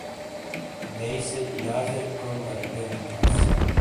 بیئسے یازیک کروم گا رٹینیک ہانس۔